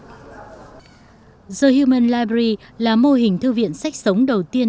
the human library là mô hình thư viện sách sống đầu tiên